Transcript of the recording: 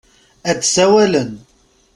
Ad d-sawalen.